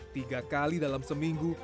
tiga kali dalam seminggu